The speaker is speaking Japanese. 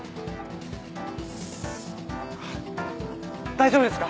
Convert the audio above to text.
大丈夫ですか！？